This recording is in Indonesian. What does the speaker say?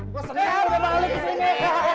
gue sengal gue balik sini